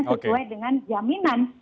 sesuai dengan jaminan